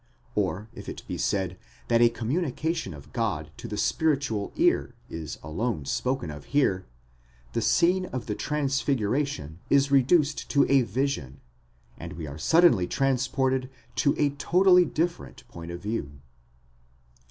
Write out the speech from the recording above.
Or if it be said, that a communication of God to the spiritual ear, is alone spoken of here,® the scene of the transfiguration is reduced to a vision, and we are suddenly transported to a totally different point of view.